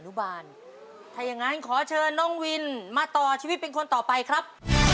ถ้าอย่างนั้นขอเชิญน้องวินมาต่อชีวิตเป็นคนต่อไปครับ